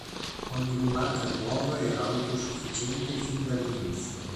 Ogni lumaca nuova era autosufficiente fin dall'inizio.